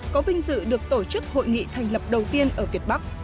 có vinh dự được tổ chức hội nghị thành lập đầu tiên ở việt bắc